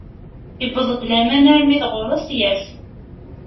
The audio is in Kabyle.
Iwweḍ-d laman armi d ɣuṛ-s, yers.